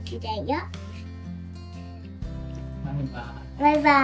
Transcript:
バイバーイ。